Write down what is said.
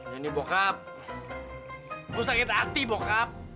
ya ini bokap gua sakit hati bokap